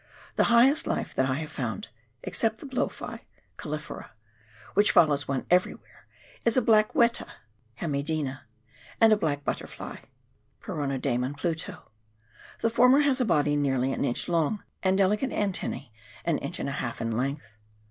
The highest life that I have found — except the blow fly {CalUphora) which follows one everywhere — is a black weta (Hemideina), and a black butterfly {Perenodaimon phito) ; the former has a body nearly an inch long, and delicate anteiince KARANGARUA DISTRICT. 2G7 an inch and a liaK in length.